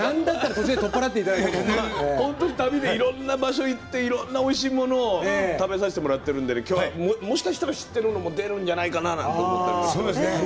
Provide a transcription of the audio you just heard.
本当にいろんなところ行っていろんなもの食べさせてもらってるんで今日はもしかしたら知ってるものも出るんじゃないかなって。